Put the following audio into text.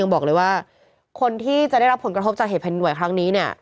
ยังบอกว่าคนที่จะได้รับผลกระทบเหตุผลิตแผ่นดินไหวครั้งนี้